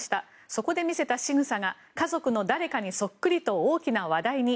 そこで見せたしぐさが家族の誰かにそっくりと大きな話題に。